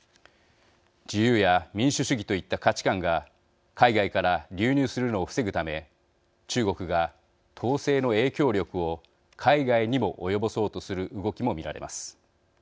自由や民主主義といった価値観が海外から流入するのを防ぐため中国が統制の影響力を海外にも及ぼそうとする動きも見られます。